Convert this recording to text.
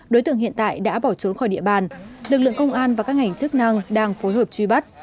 đối tượng hiện tại đã bỏ trốn khỏi địa bàn lực lượng công an và các ngành chức năng đang phối hợp truy bắt